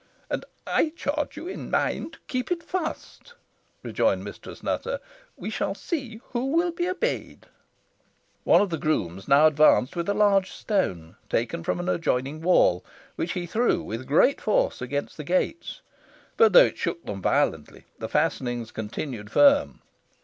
"And I charge you in mine to keep it fast," rejoined Mistress Nutter. "We shall see who will be obeyed." One of the grooms now advanced with a large stone taken from an adjoining wall, which he threw with great force against the gates, but though it shook them violently the fastenings continued firm.